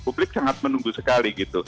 publik sangat menunggu sekali